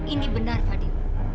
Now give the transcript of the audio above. ini benar fadil